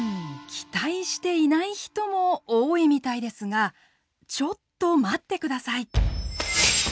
期待していない人も多いみたいですがちょっと待ってください！